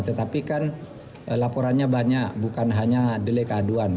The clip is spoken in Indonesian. tetapi kan laporannya banyak bukan hanya di lik aduan